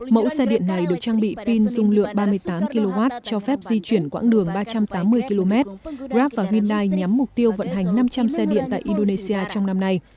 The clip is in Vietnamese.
mẫu xe điện này được trang bị pin dung lượng ba mươi tám kw cho phép di chuyển quãng đường ba trăm tám mươi km grab và hyundai nhắm mục tiêu vận hành năm trăm linh xe điện tại indonesia trong năm nay